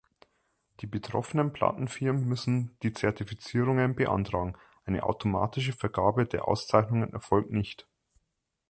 Die betroffenen Plattenfirmen müssen die Zertifizierungen beantragen, eine automatische Vergabe der Auszeichnungen erfolgt nicht.